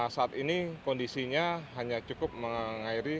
saat ini kondisinya hanya cukup mengairi